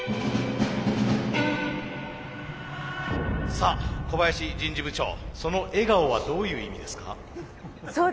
さあ小林人事部長その笑顔はどういう意味ですか？